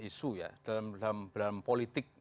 isu ya dalam politik